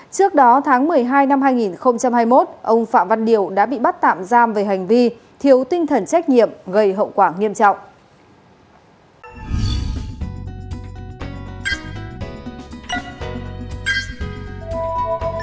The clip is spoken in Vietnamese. trước đó tháng một mươi hai năm hai nghìn hai mươi một ông phạm văn điều đã bị bắt tạm giam về hành vi thiếu tinh thần trách nhiệm gây hậu quả nghiêm trọng